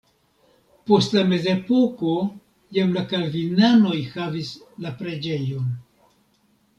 Post la mezepoko jam la kalvinanoj havis la preĝejon.